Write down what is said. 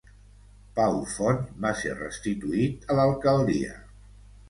Pau Font va ser restituït a l'alcaldia.